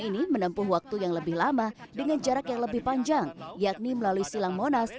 ini menempuh waktu yang lebih lama dengan jarak yang lebih panjang yakni melalui silang monas